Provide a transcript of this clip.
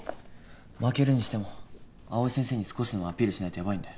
負けるにしても藍井先生に少しでもアピールしないとヤバいんで。